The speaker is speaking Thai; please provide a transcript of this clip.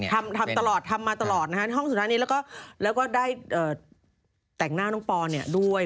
ค่ะแต่ว่าทำมาตลอดครับห้องสุดท้ายแล้วก็ได้แต่งหน้าน้องปอร์ด้วย